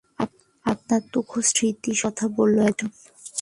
আপনার তুখোড় স্মৃতিশক্তির কথা বলল একজন।